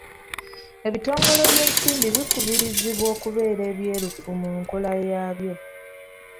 Ebitongole by'ensimbi bikubirizibwa okubeera ebyerufu mu nkola yaabyo.